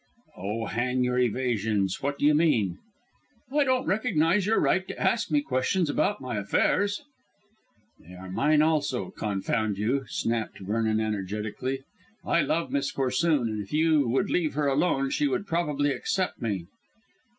"Oh, hang your evasions. What do you mean?" "I don't recognise your right to ask me questions about my affairs." "They are mine also, confound you," snapped Vernon energetically. "I love Miss Corsoon, and if you would leave her alone she would probably accept me."